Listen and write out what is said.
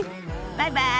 バイバイ。